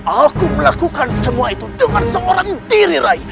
aku melakukan semua itu dengan seorang tiri rai